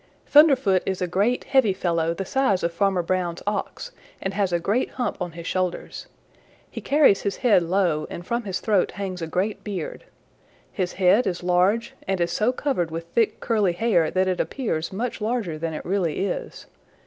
"Thunderfoot is a great, heavy fellow the size of Farmer Brown's Ox, and has a great hump on his shoulders. He carries his head low and from his throat hangs a great beard. His head is large and is so covered with thick, curly hair that it appears much larger than it really is.